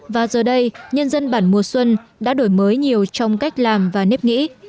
và giờ đây nhân dân bản mùa xuân đã đổi mới nhiều trong cách làm và nếp nghĩ